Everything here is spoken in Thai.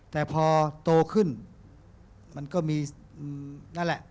แต่พอโตขึ้นมันก็มีนั่นแหละ